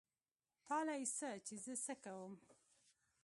تا له يې څه چې زه څه کوم.